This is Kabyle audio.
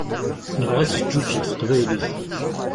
Nebɣa ad teǧǧuǧeg teqbaylit.